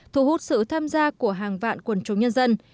thu hút sự tham gia của hàng vạn quân chủ nhân dân